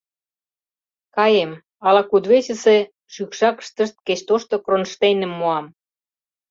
— Каем, ала кудвечысе шӱкшакыштышт кеч тошто кронштейным муам.